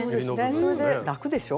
それで楽でしょう？